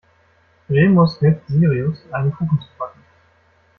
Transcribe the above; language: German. Remus hilft Sirius, einen Kuchen zu backen.